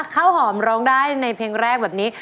ข้าวหอมร้องได้ในเพลงแรกแบบนี้